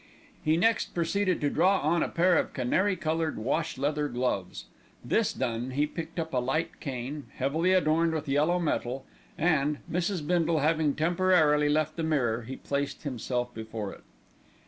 He next proceeded to draw on a pair of canary coloured wash leather gloves. This done he picked up a light cane, heavily adorned with yellow metal and, Mrs. Bindle having temporarily left the mirror, he placed himself before it.